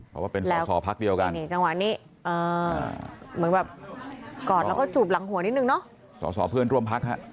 เหมือนแบบกดแล้วจูบหัวเองดีกว่านี้